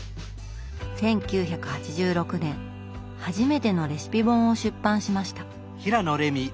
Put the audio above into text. １９８６年初めてのレシピ本を出版しました。